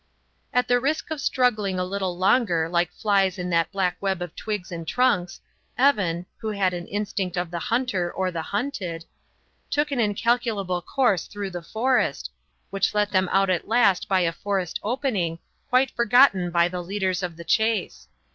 At the risk of struggling a little longer like flies in that black web of twigs and trunks, Evan (who had an instinct of the hunter or the hunted) took an incalculable course through the forest, which let them out at last by a forest opening quite forgotten by the leaders of the chase.